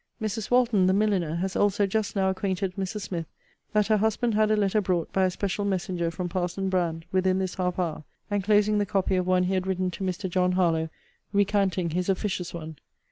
Mrs. Walton the milliner has also just now acquainted Mrs. Smith, that her husband had a letter brought by a special messenger from Parson Brand, within this half hour, enclosing the copy of one he had written to Mr. John Harlowe, recanting his officious one.